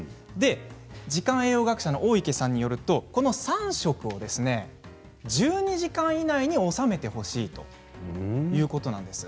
時間栄養学者の大池さんによるとこの３食を１２時間以内に収めてほしいということなんです。